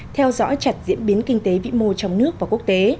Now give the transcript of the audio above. theo dõi chặt diễn biến kinh tế vĩ mô trong nước và quốc tế